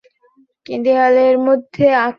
ওগুলো কি দেয়ালের মধ্যে আঁকা?